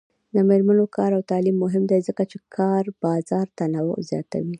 د میرمنو کار او تعلیم مهم دی ځکه چې کار بازار تنوع زیاتوي.